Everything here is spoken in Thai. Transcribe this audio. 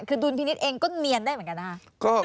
คือดุลพินิษฐ์เองก็เนียนได้เหมือนกันนะคะ